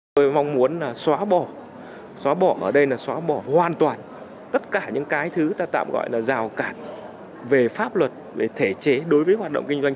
tôi mong muốn là xóa bỏ xóa bỏ ở đây là xóa bỏ hoàn toàn tất cả những cái thứ ta tạm gọi là rào cản về pháp luật về thể chế đối với hoạt động kinh doanh